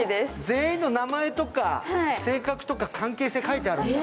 全員の名前とか性格とか関係性が書いてあるんだ。